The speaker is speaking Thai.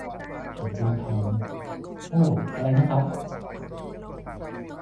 ฉันพึมพำ โอ้ อะไรนะครับ